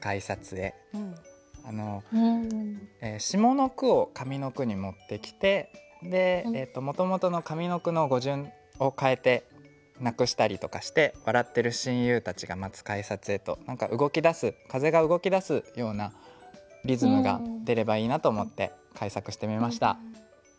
下の句を上の句に持ってきてでもともとの上の句の語順を変えてなくしたりとかして「笑ってる親友たちが待つ改札へ」と何か動き出す風が動き出すようなリズムが出ればいいなと思って改作してみました。